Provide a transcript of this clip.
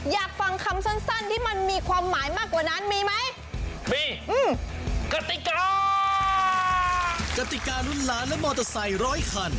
อยากฟังคำสั้นที่มันมีความหมายมากกว่านั้นมีไหม